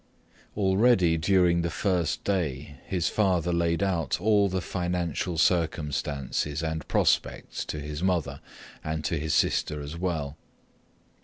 Already during the first day his father laid out all the financial circumstances and prospects to his mother and to his sister as well.